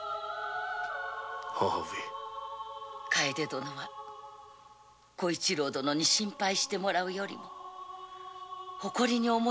楓殿は小一郎殿に心配してもらうよりも誇りに思いたいハズです。